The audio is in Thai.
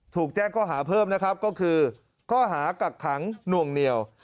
ถูกแจ้งข้อหาเพิ่มนะครับก็คือข้อหากักขังหน่วงเหนียว